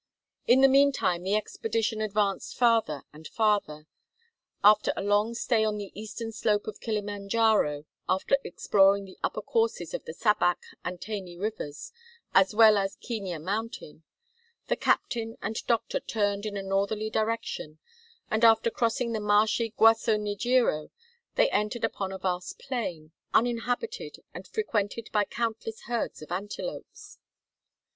In the meantime the expedition advanced farther and farther. After a long stay on the eastern slope of Kilima Njaro, after exploring the upper courses of the Sabak and Tany rivers, as well as Kenia Mountain, the captain and doctor turned in a northerly direction, and after crossing the marshy Guasso Nijiro they entered upon a vast plain, uninhabited and frequented by countless herds of antelopes.